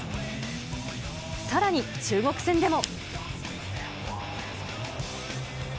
さらに中国戦でも。